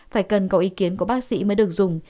phải cần có ý kiến của bác sĩ mới được dùng